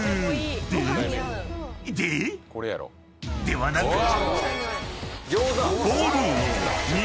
［ではなく］